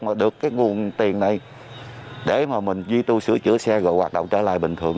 mà được cái nguồn tiền này để mà mình duy tu sửa chữa xe rồi hoạt động trở lại bình thường